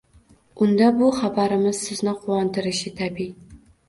Unda bu xabarimiz sizni quvontirishi tabiiy.